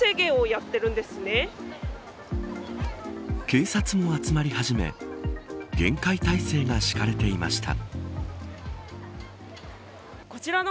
警察も集まり始め厳戒態勢が敷かれていました。